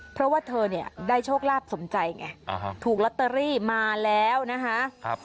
เพราะว่าเธอเนี่ยได้โชคลาภสมใจไงถูกลอตเตอรี่มาแล้วนะคะ